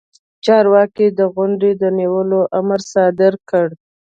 چارواکي د غونډې د نیولو امر صادر کړ.